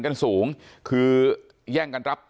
ไม่ตั้งใจครับ